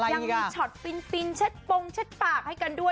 ยังมีช็อตฟินเช็ดปงเช็ดปากให้กันด้วย